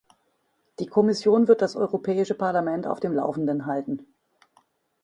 Die Kommission wird das Europäische Parlament auf dem laufenden halten.